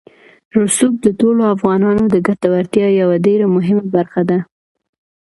رسوب د ټولو افغانانو د ګټورتیا یوه ډېره مهمه برخه ده.